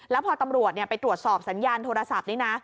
แล้วพอตำรวจไปตรวจสอบสัญญาณโทรศัพท์นี้นะ